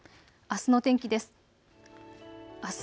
あすの天気です。